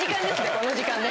この時間ね。